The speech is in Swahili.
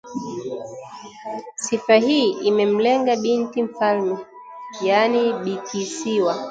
Sifa hii inamlenga binti Mfalme, yaani Bikisiwa